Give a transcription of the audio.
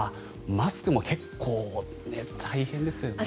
マスクも結構大変ですよね。